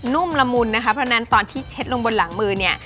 ุ่มละมุนนะคะเพราะฉะนั้นตอนที่เช็ดลงบนหลังมือเนี่ย